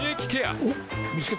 おっ見つけた。